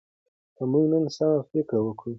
که موږ نن سمه پریکړه وکړو.